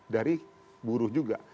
dari buruh juga